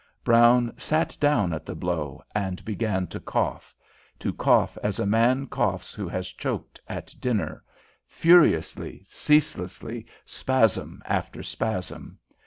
Brown sat down at the blow and began to cough to cough as a man coughs who has choked at dinner, furiously, ceaselessly, spasm after spasm.